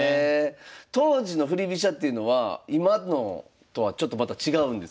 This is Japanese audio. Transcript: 当時の振り飛車っていうのは今のとはちょっとまた違うんですか？